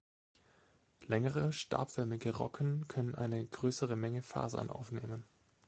Längere, stabförmige Rocken können eine größere Menge Fasern aufnehmen.